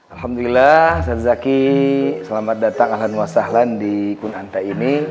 alhamdulillah zaki selamat datang alhamdulillah sahlan di kunanta ini